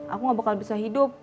aku gak bakal bisa hidup